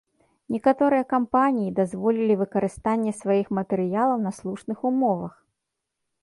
Некаторыя кампаніі дазволілі выкарыстанне сваіх матэрыялаў на слушных умовах.